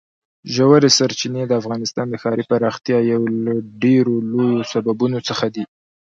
ژورې سرچینې د افغانستان د ښاري پراختیا یو له ډېرو لویو سببونو څخه ده.